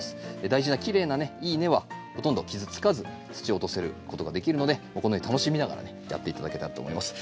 大事なきれいなねいい根はほとんど傷つかず土を落とせることができるのでこのように楽しみながらねやって頂けたらと思います。